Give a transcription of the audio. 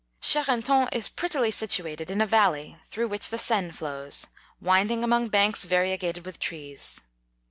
Charenton is prettily situated in a* valley, through which the Seine flows, winding among banks variegated with trees.